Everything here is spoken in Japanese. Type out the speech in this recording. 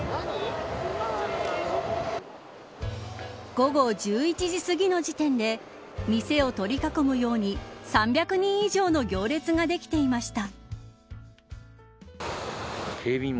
午後１１時すぎの時点で店を取り囲むように３００人以上の行列ができていました。